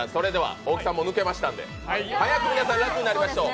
それでは、大木さんはもう抜けましたので、早く皆さん、元気になりましょう。